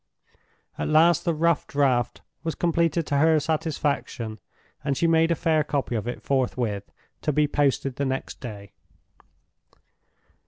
At last the rough draft was completed to her satisfaction; and she made a fair copy of it forthwith, to be posted the next day.